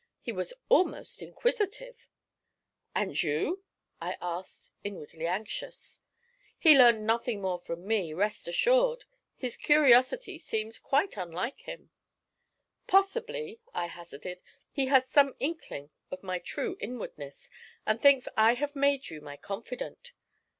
He was almost inquisitive.' 'And you?' I asked, inwardly anxious. 'He learned nothing more from me, rest assured. His curiosity seems quite unlike him.' 'Possibly,' I hazarded, 'he has some inkling of my true inwardness, and thinks I have made you my confidant.